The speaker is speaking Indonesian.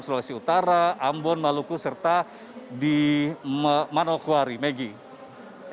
sulawesi utara ambon maluku serta di manokwari maggie